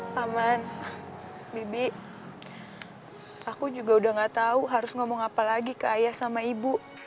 paman bibi aku juga udah gak tahu harus ngomong apa lagi ke ayah sama ibu